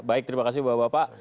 baik terima kasih bapak bapak